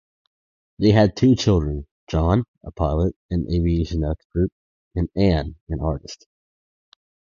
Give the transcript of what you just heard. They had two children: John, a pilot and aviation expert, and Ann, an artist.